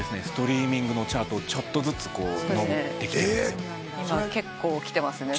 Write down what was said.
ストリーミングのチャートをちょっとずつ上ってきてます。